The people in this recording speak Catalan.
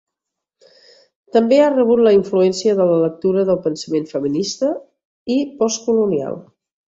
També ha rebut la influència de la lectura del pensament feminista i postcolonial.